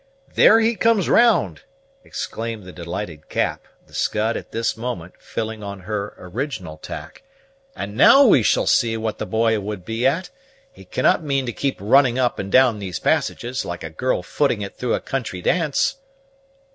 "There he comes round!" exclaimed the delighted Cap, the Scud at this moment filling on her original tack; "and now we shall see what the boy would be at; he cannot mean to keep running up and down these passages, like a girl footing it through a country dance."